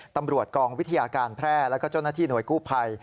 ตำรวจกองวิทยาการแพร่แล้วก็เจ้าหน้าที่หน่วยกู้ภัย